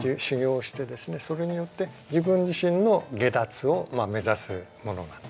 それによって自分自身の解脱を目指すものなんですね。